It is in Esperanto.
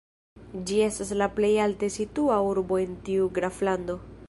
Ĝi estas la plej alte situa urbo en tiu graflando.